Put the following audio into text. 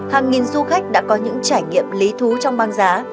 hàng nghìn du khách đã có những trải nghiệm lý thú trong băng giá